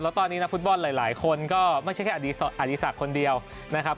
แล้วตอนนี้นักฟุตบอลหลายคนก็ไม่ใช่แค่อดีศักดิ์คนเดียวนะครับ